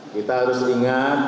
kita harus ingat